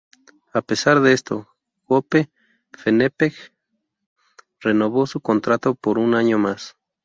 A pesar de esto, Gope-Fenepej renovó su contrato por un año más.